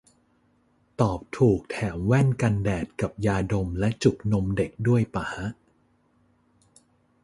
ตอบถูกแถมแว่นกันแดดกับยาดมและจุกนมเด็กด้วยปะฮะ